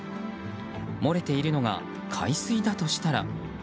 漏れているのが海水だとしたら。